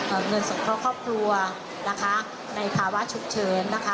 เอ่อเงินสนุกข้อครอบครัวนะคะในปราวัติฉุบเชิญนะคะ